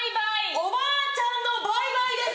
おばあちゃんのバイバイです。